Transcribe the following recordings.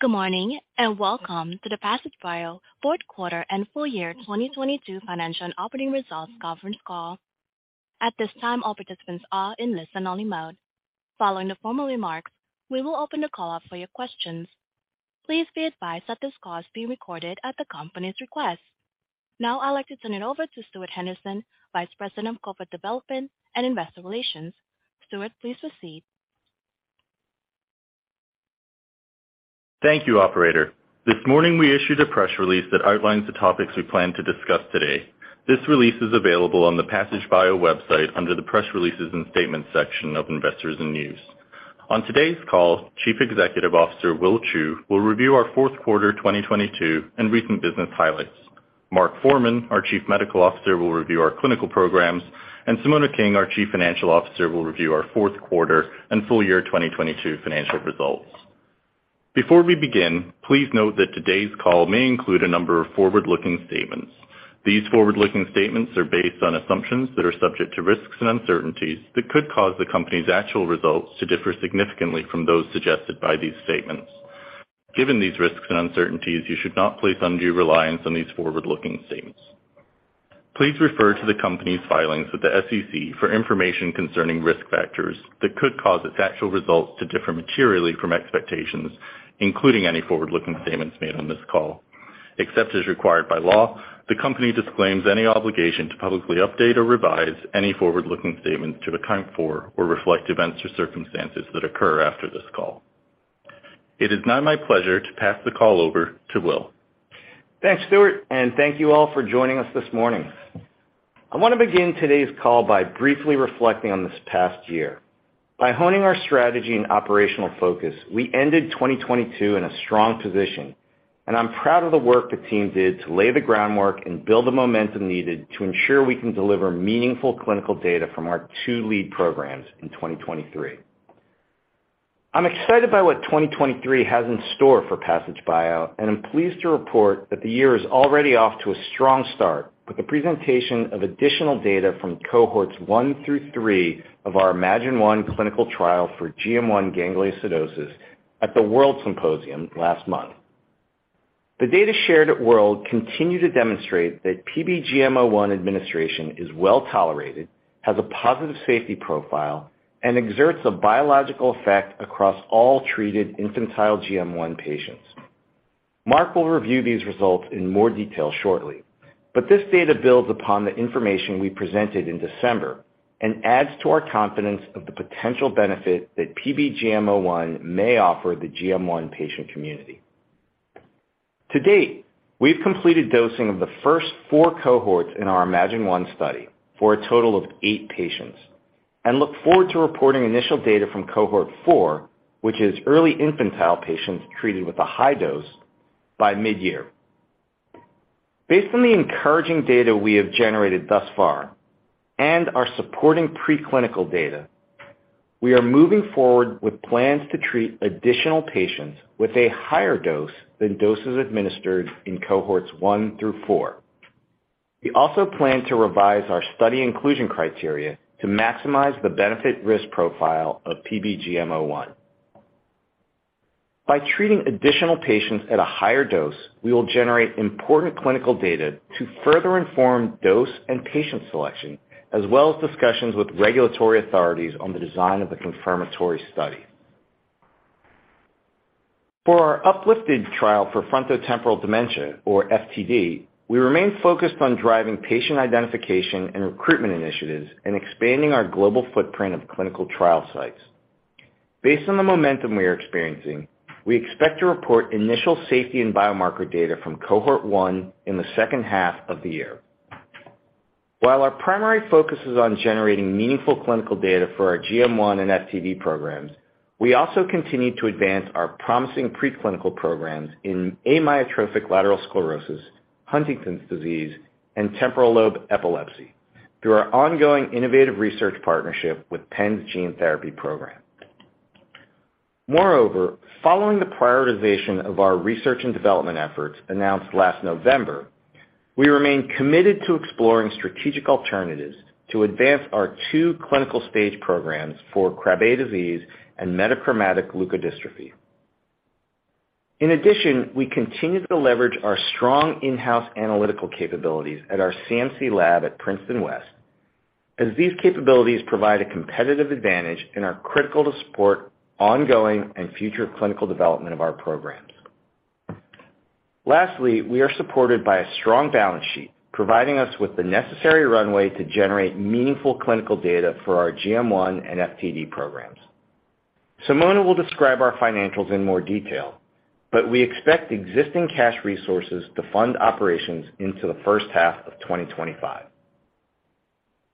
Good morning, and welcome to the Passage Bio fourth quarter and full-year 2022 financial and operating results conference call. At this time, all participants are in listen-only mode. Following the formal remarks, we will open the call up for your questions. Please be advised that this call is being recorded at the company's request. Now I'd like to turn it over to Stuart Henderson, Vice President of Corporate Development and Investor Relations. Stuart, please proceed. Thank you, operator. This morning, we issued a press release that outlines the topics we plan to discuss today. This release is available on the Passage Bio website under the Press Releases and Statements section of Investors and News. On today's call, Chief Executive Officer, Will Chou, will review our fourth quarter 2022 and recent business highlights. Mark Forman, our Chief Medical Officer, will review our clinical programs, and Simona King, our Chief Financial Officer, will review our fourth quarter and full-year 2022 financial results. Before we begin, please note that today's call may include a number of forward-looking statements. These forward-looking statements are based on assumptions that are subject to risks and uncertainties that could cause the company's actual results to differ significantly from those suggested by these statements. Given these risks and uncertainties, you should not place undue reliance on these forward-looking statements. Please refer to the company's filings with the SEC for information concerning risk factors that could cause its actual results to differ materially from expectations, including any forward-looking statements made on this call. Except as required by law, the company disclaims any obligation to publicly update or revise any forward-looking statements to account for or reflect events or circumstances that occur after this call. It is now my pleasure to pass the call over to Will. Thanks, Stuart. Thank you all for joining us this morning. I want to begin today's call by briefly reflecting on this past year. By honing our strategy and operational focus, we ended 2022 in a strong position. I'm proud of the work the team did to lay the groundwork and build the momentum needed to ensure we can deliver meaningful clinical data from our two lead programs in 2023. I'm excited by what 2023 has in store for Passage Bio. I'm pleased to report that the year is already off to a strong start with the presentation of additional data from Cohorts one through three of our Imagine-1 clinical trial for GM1 gangliosidosis at the WORLDSymposium last month. The data shared at WORLDSymposium continue to demonstrate that PBGM01 administration is well-tolerated, has a positive safety profile, and exerts a biological effect across all treated infantile GM1 patients. Mark will review these results in more detail shortly. This data builds upon the information we presented in December and adds to our confidence of the potential benefit that PBGM01 may offer the GM1 patient community. To date, we've completed dosing of the first four Cohorts in our Imagine-1 study for a total of eight patients and look forward to reporting initial data from Cohort 4, which is early infantile patients treated with a high dose, by mid-year. Based on the encouraging data we have generated thus far and our supporting preclinical data, we are moving forward with plans to treat additional patients with a higher dose than doses administered in Cohorts 1 through 4. We also plan to revise our study inclusion criteria to maximize the benefit risk profile of PBGM01. By treating additional patients at a higher dose, we will generate important clinical data to further inform dose and patient selection, as well as discussions with regulatory authorities on the design of the confirmatory study. For our upliFT-D trial for frontotemporal dementia or FTD, we remain focused on driving patient identification and recruitment initiatives and expanding our global footprint of clinical trial sites. Based on the momentum we are experiencing, we expect to report initial safety and biomarker data from Cohort 1 in the second half of the year. While our primary focus is on generating meaningful clinical data for our GM1 and FTD programs, we also continue to advance our promising preclinical programs in amyotrophic lateral sclerosis, Huntington's disease, and temporal lobe epilepsy through our ongoing innovative research partnership with Penn's Gene Therapy Program. Following the prioritization of our research and development efforts announced last November, we remain committed to exploring strategic alternatives to advance our two clinical stage programs for Krabbe disease and metachromatic leukodystrophy. We continue to leverage our strong in-house analytical capabilities at our CMC lab at Princeton West, as these capabilities provide a competitive advantage and are critical to support ongoing and future clinical development of our programs. We are supported by a strong balance sheet, providing us with the necessary runway to generate meaningful clinical data for our GM1 and FTD programs. Simona will describe our financials in more detail, but we expect existing cash resources to fund operations into the first half of 2025.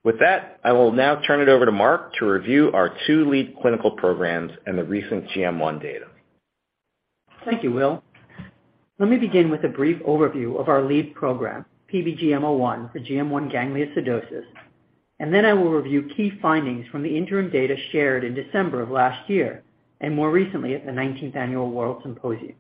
With that, I will now turn it over to Mark to review our two lead clinical programs and the recent GM1 data. Thank you, Will. Let me begin with a brief overview of our lead program, PBGM01 for GM1 gangliosidosis, and then I will review key findings from the interim data shared in December of last year, and more recently at the 19th annual WORLDSymposium.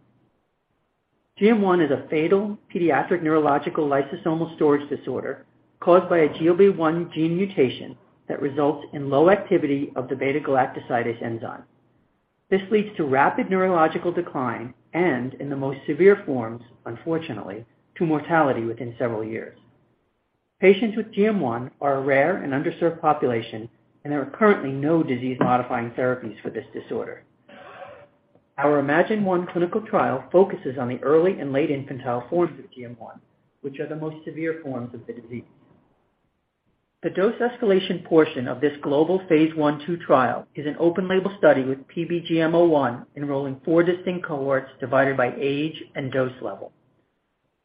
GM1 is a fatal pediatric neurological lysosomal storage disorder caused by a GLB1 gene mutation that results in low activity of the beta-galactosidase enzyme. This leads to rapid neurological decline and, in the most severe forms, unfortunately, to mortality within several years. Patients with GM1 are a rare and underserved population, and there are currently no disease-modifying therapies for this disorder. Our Imagine-1 clinical trial focuses on the early and late infantile forms of GM1, which are the most severe forms of the disease. The dose escalation portion of this global phase I/II trial is an open label study with PBGM01 enrolling four distinct Cohorts divided by age and dose level.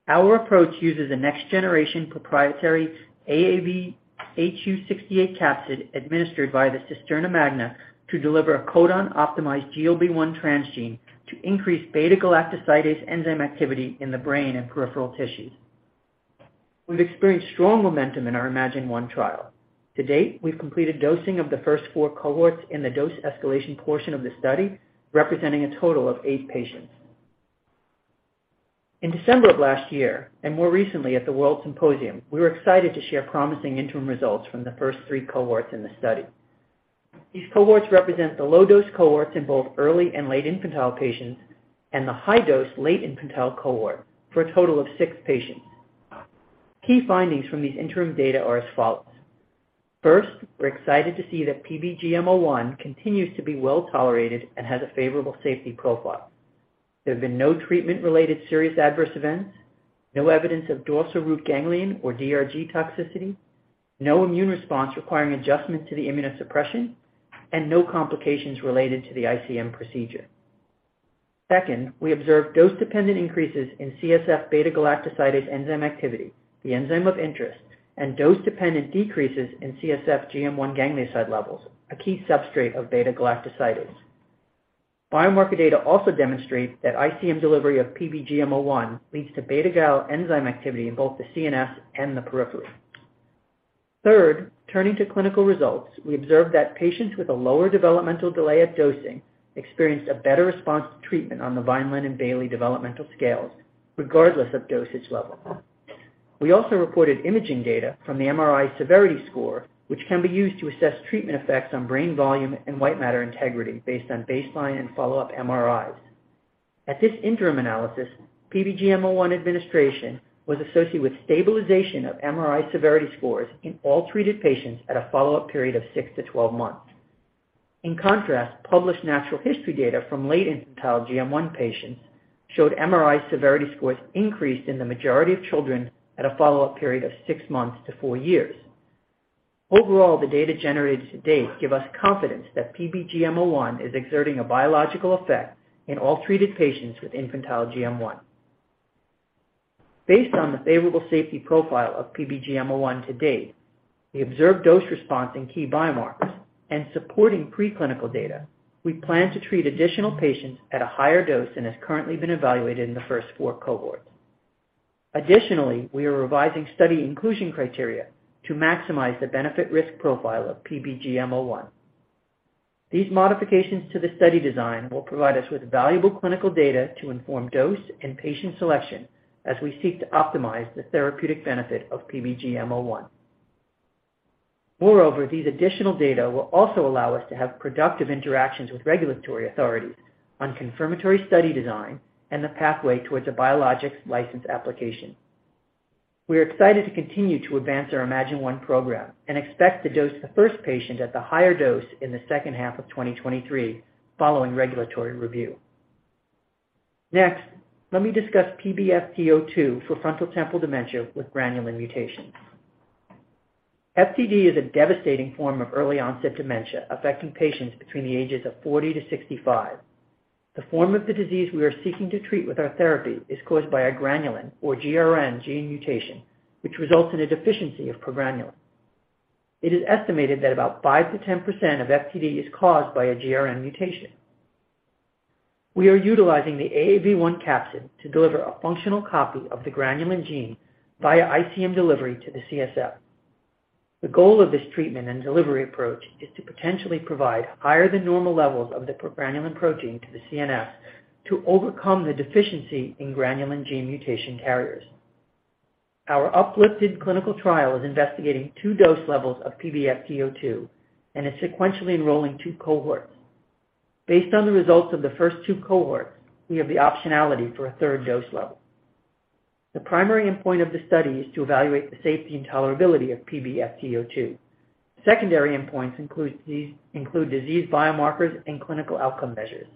Our approach uses a next generation proprietary AAVhu68 capsid administered via the cisterna magna to deliver a codon-optimized GLB1 transgene to increase beta-galactosidase enzyme activity in the brain and peripheral tissues. We've experienced strong momentum in our Imagine-1 trial. To date, we've completed dosing of the first four Cohorts in the dose escalation portion of the study, representing a total of eight patients. In December of last year, more recently at the WORLDSymposium, we were excited to share promising interim results from the first three Cohorts in the study. These Cohorts represent the low dose Cohorts in both early and late infantile patients and the high dose late infantile Cohort for a total of six patients. Key findings from these interim data are as follows. First, we're excited to see that PBGM01 continues to be well-tolerated and has a favorable safety profile. There have been no treatment-related serious adverse events, no evidence of dorsal root ganglion or DRG toxicity, no immune response requiring adjustment to the immunosuppression, and no complications related to the ICM procedure. Second, we observed dose-dependent increases in CSF beta-galactosidase enzyme activity, the enzyme of interest, and dose-dependent decreases in CSF GM1 ganglioside levels, a key substrate of beta-galactosidase. Biomarker data also demonstrate that ICM delivery of PBGM01 leads to beta-gal enzyme activity in both the CNS and the periphery. Third, turning to clinical results, we observed that patients with a lower developmental delay at dosing experienced a better response to treatment on the Vineland and Bayley Developmental Scales, regardless of dosage level. We also reported imaging data from the MRI severity score, which can be used to assess treatment effects on brain volume and white matter integrity based on baseline and follow-up MRIs. At this interim analysis, PBGM01 administration was associated with stabilization of MRI severity scores in all treated patients at a follow-up period of six to 12 months. In contrast, published natural history data from late infantile GM1 patients showed MRI severity scores increased in the majority of children at a follow-up period of six months to four years. Overall, the data generated to date give us confidence that PBGM01 is exerting a biological effect in all treated patients with infantile GM1. Based on the favorable safety profile of PBGM01 to date, the observed dose response in key biomarkers and supporting preclinical data, we plan to treat additional patients at a higher dose than has currently been evaluated in the first four Cohorts. We are revising study inclusion criteria to maximize the benefit risk profile of PBGM01. These modifications to the study design will provide us with valuable clinical data to inform dose and patient selection as we seek to optimize the therapeutic benefit of PBGM01. These additional data will also allow us to have productive interactions with regulatory authorities on confirmatory study design and the pathway towards a Biologics License Application. We are excited to continue to advance our Imagine-1 program and expect to dose the first patient at the higher dose in the second half of 2023 following regulatory review. Let me discuss PBFT02 for frontotemporal dementia with granulin mutations. FTD is a devastating form of early onset dementia affecting patients between the ages of 40 to 65. The form of the disease we are seeking to treat with our therapy is caused by a granulin or GRN gene mutation, which results in a deficiency of progranulin. It is estimated that about 5%-10% of FTD is caused by a GRN mutation. We are utilizing the AAV1 capsid to deliver a functional copy of the granulin gene via ICM delivery to the CSF. The goal of this treatment and delivery approach is to potentially provide higher than normal levels of the progranulin protein to the CNS to overcome the deficiency in granulin gene mutation carriers. Our upliFT-D clinical trial is investigating two dose levels of PBFT02 and is sequentially enrolling two Cohorts. Based on the results of the first two Cohorts, we have the optionality for a 3rd dose level. The primary endpoint of the study is to evaluate the safety and tolerability of PBFT02. Secondary endpoints include disease biomarkers and clinical outcome measures.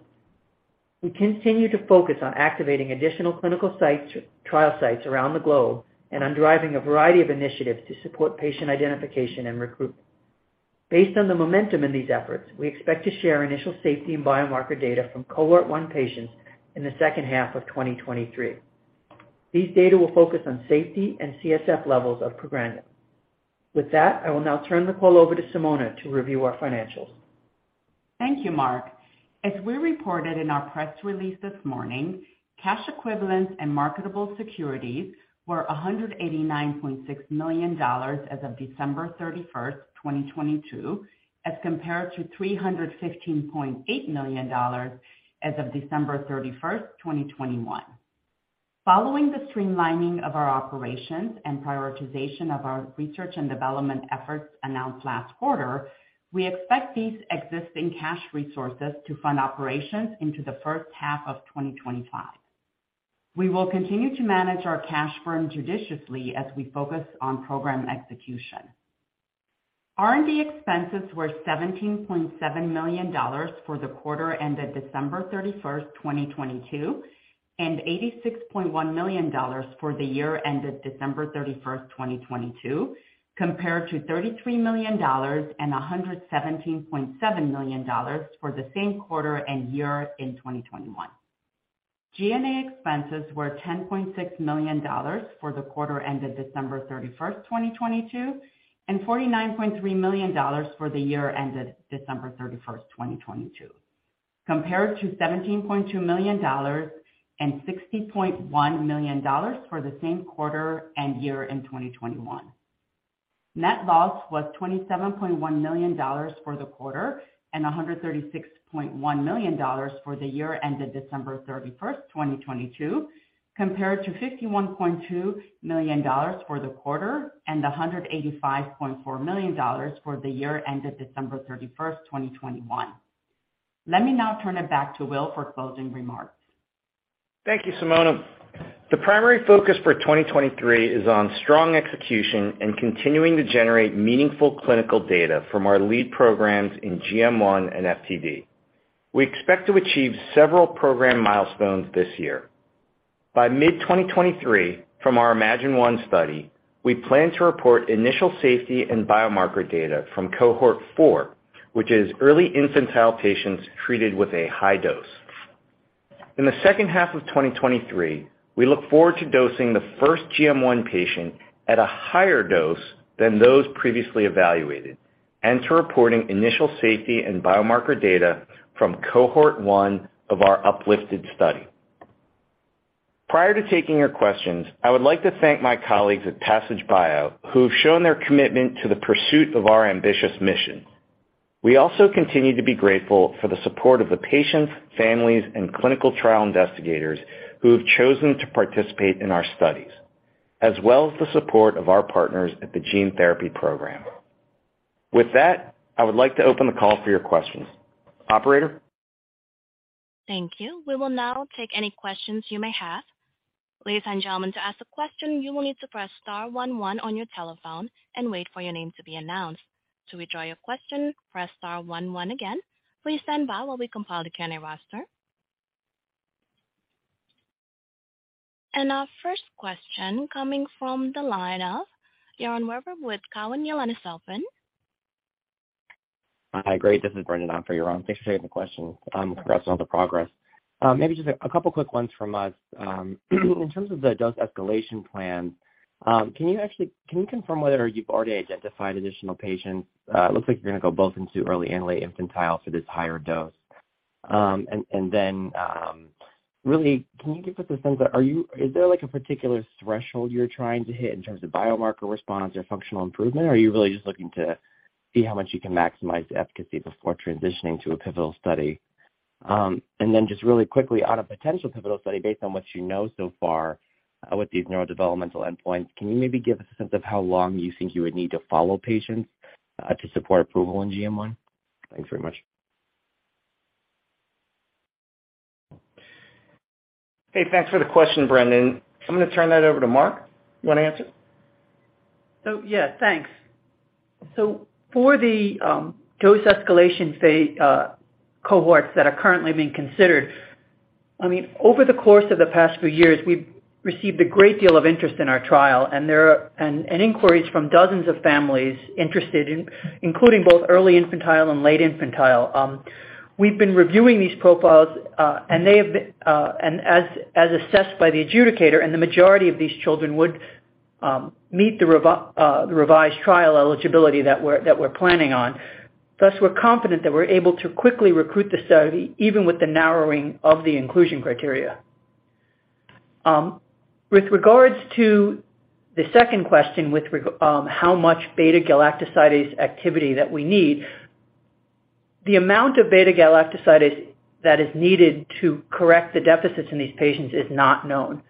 We continue to focus on activating additional clinical sites, trial sites around the globe and on driving a variety of initiatives to support patient identification and recruitment. Based on the momentum in these efforts, we expect to share initial safety and biomarker data from Cohort 1 patients in the second half of 2023. These data will focus on safety and CSF levels of progranulin. With that, I will now turn the call over to Simona to review our financials. Thank you, Mark. As we reported in our press release this morning, cash equivalents and marketable securities were $189.6 million as of December 31, 2022, as compared to $315.8 million as of December 31, 2021. Following the streamlining of our operations and prioritization of our R&D efforts announced last quarter, we expect these existing cash resources to fund operations into the first half of 2025. We will continue to manage our cash burn judiciously as we focus on program execution. R&D expenses were $17.7 million for the quarter ended December 31, 2022, and $86.1 million for the year ended December 31, 2022, compared to $33 million and $117.7 million for the same quarter and year in 2021. G&A expenses were $10.6 million for the quarter ended December 31, 2022, and $49.3 million for the year ended December 31, 2022, compared to $17.2 million and $60.1 million for the same quarter and year in 2021. Net loss was $27.1 million for the quarter and $136.1 million for the year ended December 31, 2022, compared to $51.2 million for the quarter and $185.4 million for the year ended December 31, 2021. Let me now turn it back to Will for closing remarks. Thank you, Simona. The primary focus for 2023 is on strong execution and continuing to generate meaningful clinical data from our lead programs in GM1 and FTD. We expect to achieve several program milestones this year. By mid-2023, from our Imagine-1 study, we plan to report initial safety and biomarker data from Cohort 4, which is early infantile patients treated with a high dose. In the second half of 2023, we look forward to dosing the first GM1 patient at a higher dose than those previously evaluated, and to reporting initial safety and biomarker data from Cohort 1 of our upliFT-D study. Prior to taking your questions, I would like to thank my colleagues at Passage Bio who have shown their commitment to the pursuit of our ambitious mission. We also continue to be grateful for the support of the patients, families, and clinical trial investigators who have chosen to participate in our studies, as well as the support of our partners at the Gene Therapy Program. With that, I would like to open the call for your questions. Operator? Thank you. We will now take any questions you may have. Ladies and gentlemen, to ask a question, you will need to press star one one on your telephone and wait for your name to be announced. To withdraw your question, press star one one again. Please stand by while we compile the Q&A roster. Our first question coming from the line of Yaron Werber with TD Cowen, your line is open. Hi. Great. This is Brendan. I'm for Yaron. Thanks for taking the question. Congrats on the progress. Maybe just a couple quick ones from us. In terms of the dose escalation plan, can you confirm whether you've already identified additional patients? It looks like you're gonna go both into early and late infantile for this higher dose. Really, can you give us a sense of is there, like, a particular threshold you're trying to hit in terms of biomarker response or functional improvement, or are you really just looking to see how much you can maximize the efficacy before transitioning to a pivotal study? Just really quickly, on a potential pivotal study, based on what you know so far, with these neurodevelopmental endpoints, can you maybe give us a sense of how long you think you would need to follow patients, to support approval in GM1? Thanks very much. Hey, thanks for the question, Brendan. I'm gonna turn that over to Mark. You wanna answer? Yeah, thanks. For the dose escalation phase Cohorts that are currently being considered, I mean, over the course of the past few years, we've received a great deal of interest in our trial and there are and inquiries from dozens of families interested in including both early infantile and late infantile. We've been reviewing these profiles and they have been and as assessed by the adjudicator, and the majority of these children would meet the revised trial eligibility that we're planning on. We're confident that we're able to quickly recruit the study, even with the narrowing of the inclusion criteria. With regards to the second question how much beta-galactosidase activity that we need, the amount of beta-galactosidase that is needed to correct the deficits in these patients is not known.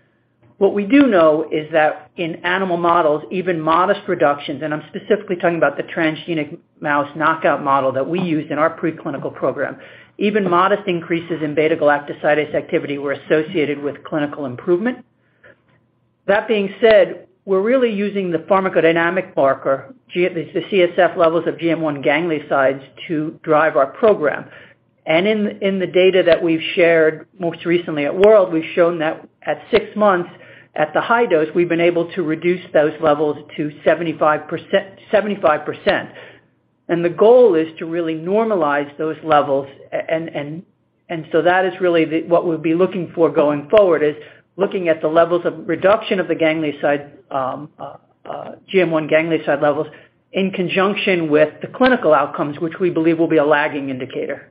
What we do know is that in animal models, even modest reductions, and I'm specifically talking about the transgenic mouse knockout model that we used in our preclinical program, even modest increases in beta-galactosidase activity were associated with clinical improvement. That being said, we're really using the pharmacodynamic marker, the CSF levels of GM1 gangliosides to drive our program. In the data that we've shared most recently at WORLDSymposium, we've shown that at six months at the high dose, we've been able to reduce those levels to 75%. The goal is to really normalize those levels. So that is really what we'll be looking for going forward, is looking at the levels of reduction of the ganglioside, GM1 ganglioside levels in conjunction with the clinical outcomes, which we believe will be a lagging indicator.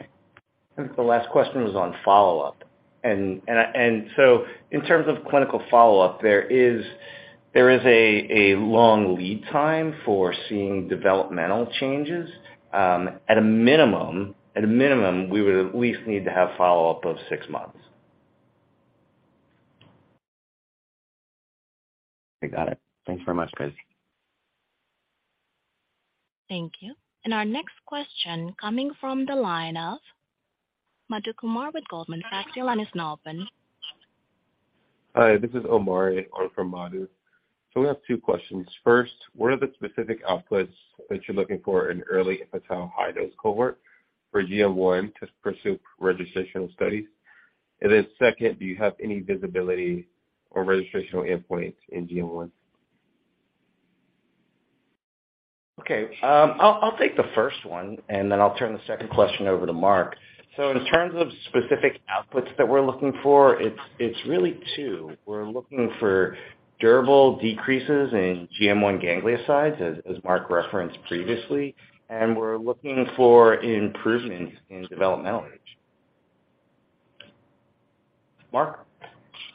I think the last question was on follow-up. In terms of clinical follow-up, there is a long lead time for seeing developmental changes. At a minimum, we would at least need to have follow-up of six months. I got it. Thanks very much, guys. Thank you. Our next question coming from the line of Madhu Kumar with Goldman Sachs. Your line is now open. Hi, this is Omari on for Madhu. We have two questions. First, what are the specific outputs that you're looking for in early infantile high-dose Cohort for GM1 to pursue registrational studies? Second, do you have any visibility or registrational endpoint in GM1? I'll take the first one, and then I'll turn the second question over to Mark. In terms of specific outputs that we're looking for, it's really two. We're looking for durable decreases in GM1 gangliosides, as Mark referenced previously, and we're looking for improvements in developmental reach. Mark?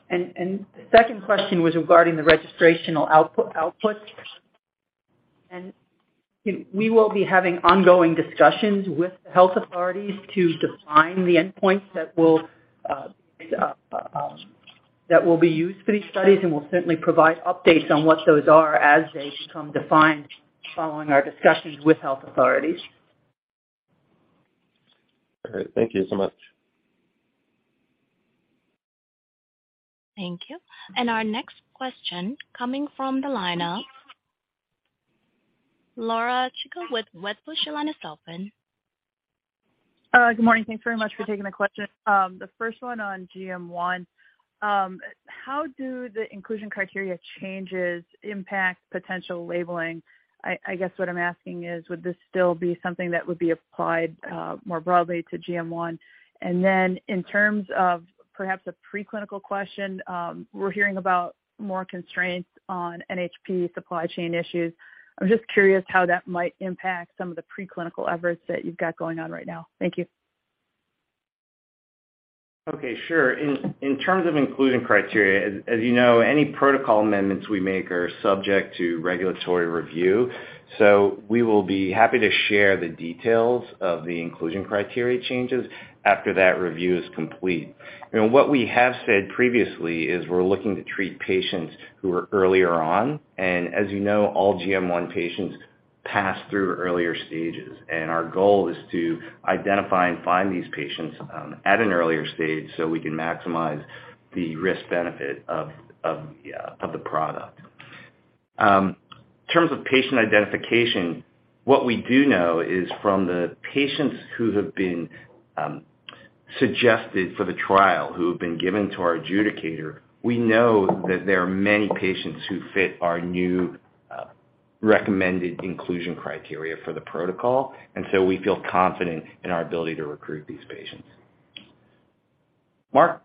The second question was regarding the registrational output. We will be having ongoing discussions with the health authorities to define the endpoints that will be used for these studies, and we'll certainly provide updates on what those are as they become defined following our discussions with health authorities. All right. Thank you so much. Thank you. Our next question coming from the line of Laura Chico with Wedbush. Your line is open. Good morning. Thanks very much for taking the question. The first one on GM1. How do the inclusion criteria changes impact potential labeling? I guess what I'm asking is, would this still be something that would be applied more broadly to GM1? Then in terms of perhaps a preclinical question, we're hearing about more constraints on NHP supply chain issues. I'm just curious how that might impact some of the preclinical efforts that you've got going on right now. Thank you. Okay, sure. In terms of inclusion criteria, as you know, any protocol amendments we make are subject to regulatory review. We will be happy to share the details of the inclusion criteria changes after that review is complete. You know, what we have said previously is we're looking to treat patients who are earlier on. As you know, all GM1 patients pass through earlier stages. Our goal is to identify and find these patients at an earlier stage so we can maximize the risk benefit of the product. In terms of patient identification, what we do know is from the patients who have been suggested for the trial, who have been given to our adjudicator, we know that there are many patients who fit our new recommended inclusion criteria for the protocol. We feel confident in our ability to recruit these patients. Mark?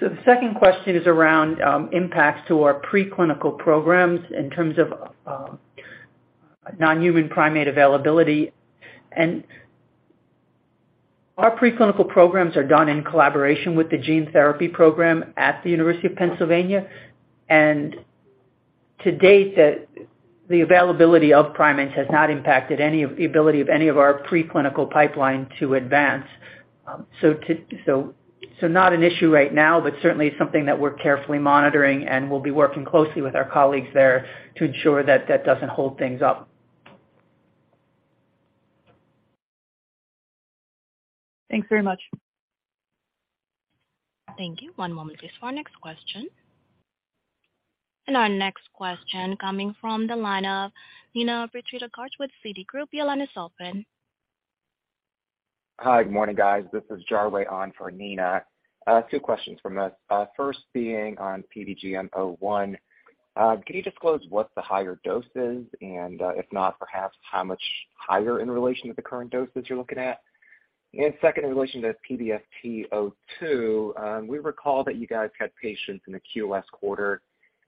The second question is around impacts to our preclinical programs in terms of non-human primate availability. Our preclinical programs are done in collaboration with the Gene Therapy Program at the University of Pennsylvania. To date, the availability of primates has not impacted any of the ability of our preclinical pipeline to advance. Not an issue right now, but certainly something that we're carefully monitoring, and we'll be working closely with our colleagues there to ensure that that doesn't hold things up. Thanks very much. Thank you. One moment please for our next question. Our next question coming from the line of Nina with Citigroup. Your line is open. Hi. Good morning, guys. This is Jarwei on for Nina. Two questions from us. First being on PBGM01. Can you disclose what the higher dose is? If not, perhaps how much higher in relation to the current doses you're looking at? Second, in relation to PBFT02, we recall that you guys had patients in the QOS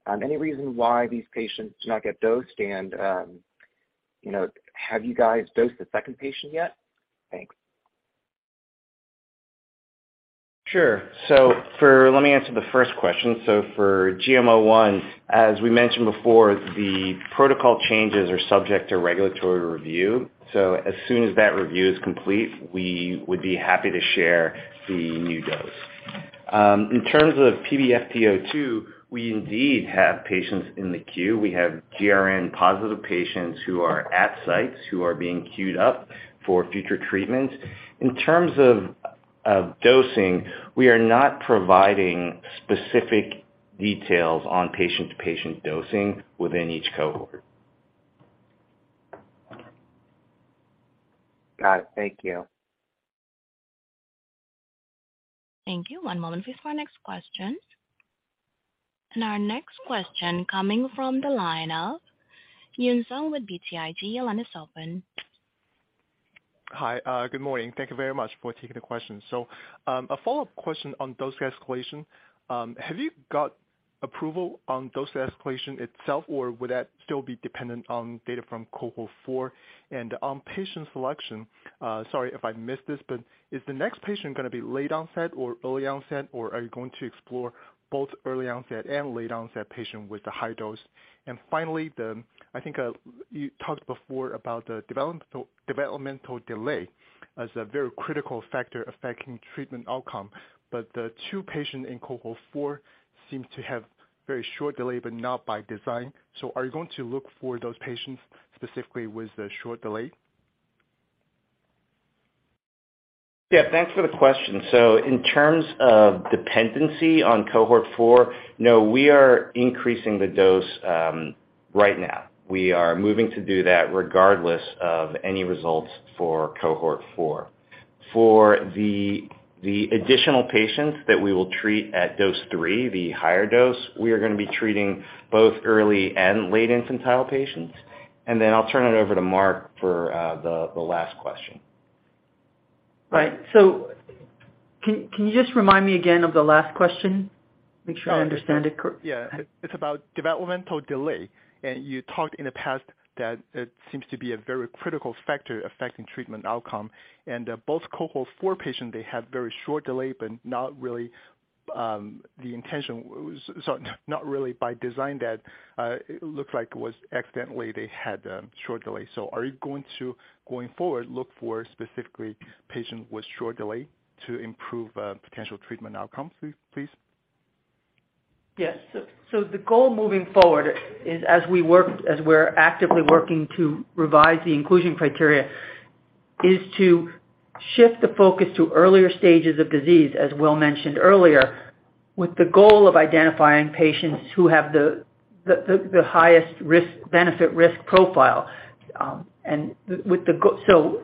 quarter. Any reason why these patients did not get dosed? You know, have you guys dosed the second patient yet? Thanks. Sure. Let me answer the first question. For PBGM01, as we mentioned before, the protocol changes are subject to regulatory review. As soon as that review is complete, we would be happy to share the new dose. In terms of PBFT02, we indeed have patients in the queue. We have GRN positive patients who are at sites who are being queued up for future treatment. In terms of dosing, we are not providing specific details on patient-to-patient dosing within each Cohort. Got it. Thank you. Thank you. One moment please for our next question. Our next question coming from the line of Yun Zhong with BTIG. Your line is open. Hi. Good morning. Thank you very much for taking the question. A follow-up question on dose escalation. Have you got approval on dose escalation itself, or would that still be dependent on data from Cohort 4? On patient selection, sorry if I missed this, is the next patient gonna be late onset or early onset, or are you going to explore both early onset and late onset patient with the high dose? Finally, I think you talked before about the developmental delay as a very critical factor affecting treatment outcome. The two patients in Cohort 4 seem to have very short delay, but not by design. Are you going to look for those patients specifically with the short delay? Yeah, thanks for the question. In terms of dependency on Cohort 4, no, we are increasing the dose, right now. We are moving to do that regardless of any results for Cohort 4. For the additional patients that we will treat at dose three, the higher dose, we are gonna be treating both early and late infantile patients. I'll turn it over to Mark for, the last question. Right. Can you just remind me again of the last question? Make sure I understand it. Yeah. It's about developmental delay. You talked in the past that it seems to be a very critical factor affecting treatment outcome. Both Cohort 4 patients, they had very short delay, but not really the intention. Not really by design that it looked like it was accidentally they had short delay. Are you going to, going forward, look for specifically patient with short delay to improve potential treatment outcomes, please? Yes. The goal moving forward is as we're actively working to revise the inclusion criteria, is to shift the focus to earlier stages of disease, as Will mentioned earlier, with the goal of identifying patients who have the highest benefit risk profile. With the so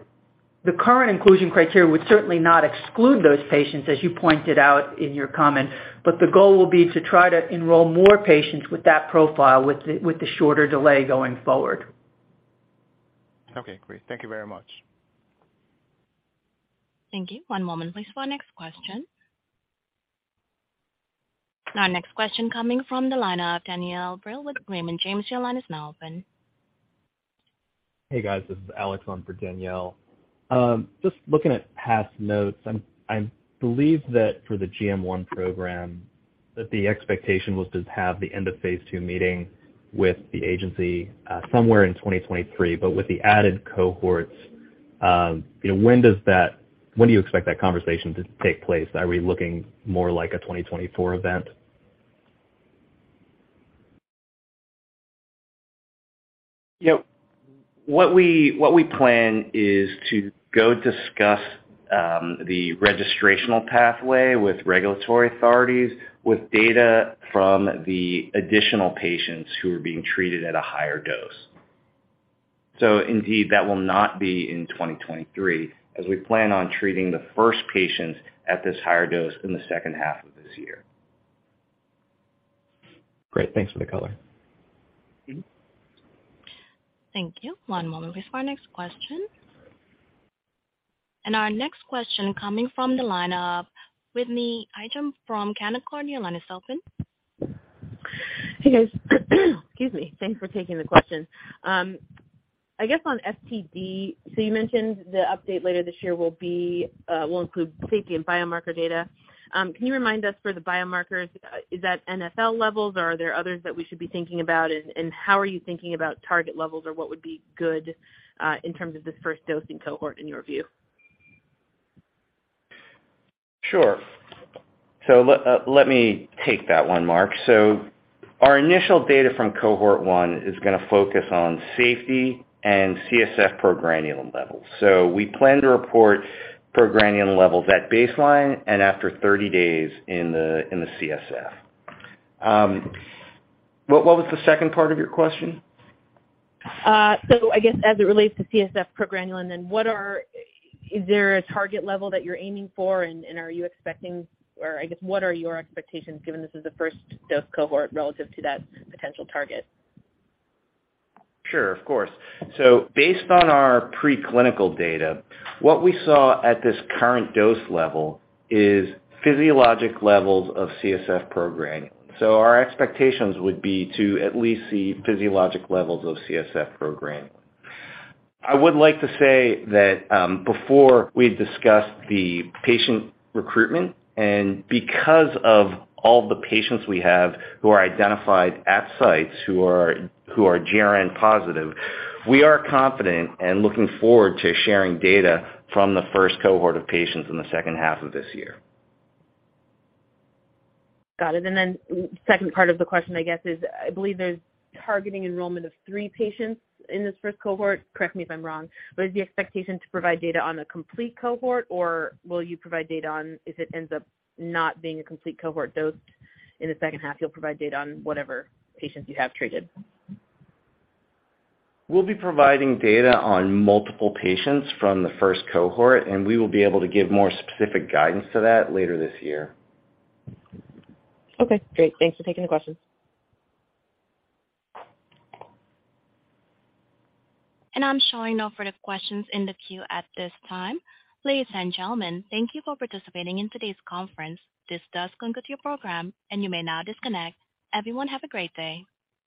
the current inclusion criteria would certainly not exclude those patients, as you pointed out in your comment. The goal will be to try to enroll more patients with that profile, with the shorter delay going forward. Okay, great. Thank you very much. Thank you. One moment please for our next question. Our next question coming from the line of Danielle Brill with Raymond James. Your line is now open. Hey, guys. This is Alex on for Danielle. Just looking at past notes. I believe that for the GM1 program, that the expectation was to have the End-of-Phase 2 meeting with the agency, somewhere in 2023. With the added Cohorts, you know, when do you expect that conversation to take place? Are we looking more like a 2024 event? You know, what we plan is to go discuss the registrational pathway with regulatory authorities, with data from the additional patients who are being treated at a higher dose. Indeed, that will not be in 2023, as we plan on treating the first patients at this higher dose in the second half of this year. Great. Thanks for the color. Thank you. One moment please for our next question. Our next question coming from the line of Whitney Ijem from Canaccord. Your line is open. Hey, guys. Excuse me. Thanks for taking the questions. I guess on FTD, you mentioned the update later this year will include safety and biomarker data. Can you remind us for the biomarkers, is that NFL levels or are there others that we should be thinking about? And how are you thinking about target levels or what would be good in terms of this first dosing Cohort in your view? Sure. Let me take that one, Mark. Our initial data from Cohort 1 is gonna focus on safety and CSF progranulin levels. We plan to report progranulin levels at baseline and after 30 days in the CSF. What was the second part of your question? I guess as it relates to CSF progranulin, Is there a target level that you're aiming for and are you expecting, I guess, what are your expectations given this is the first dose Cohort relative to that potential target? Sure, of course. Based on our preclinical data, what we saw at this current dose level is physiologic levels of CSF progranulin. Our expectations would be to at least see physiologic levels of CSF progranulin. I would like to say that, before we had discussed the patient recruitment, because of all the patients we have who are identified at sites who are GRN positive, we are confident and looking forward to sharing data from the first Cohort of patients in the second half of this year. Got it. Then second part of the question, I guess, is I believe there's targeting enrollment of three patients in this first Cohort. Correct me if I'm wrong, is the expectation to provide data on a complete Cohort, or will you provide data on if it ends up not being a complete Cohort dosed in the second half, you'll provide data on whatever patients you have treated? We'll be providing data on multiple patients from the first Cohort, and we will be able to give more specific guidance to that later this year. Okay, great. Thanks for taking the question. I'm showing no further questions in the queue at this time. Ladies and gentlemen, thank you for participating in today's conference. This does conclude your program, and you may now disconnect. Everyone, have a great day.